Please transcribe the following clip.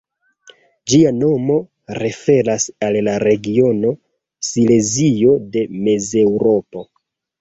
Ĝia nomo referas al la regiono Silezio de Mezeŭropo.